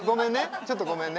ちょっとごめんね。